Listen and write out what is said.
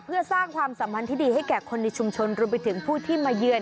เพื่อสร้างความสัมพันธ์ที่ดีให้แก่คนในชุมชนรวมไปถึงผู้ที่มาเยือน